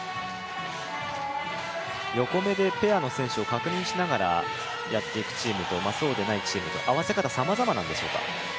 横目でペアの選手を確認しながらやっていくチームと、そうでないチームと、合わせ方はさまざまなのでしょうか？